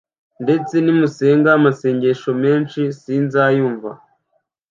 ndetse nimusenga amashengesho menshi sinzayumva,